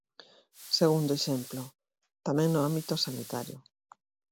Segundo exemplo, tamén no ámbito sanitario.